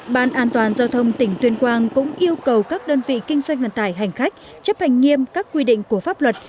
ban an toàn giao thông tỉnh tuyên quang cũng yêu cầu các đơn vị kinh doanh vận tải hành khách chấp hành nghiêm các quy định của pháp luật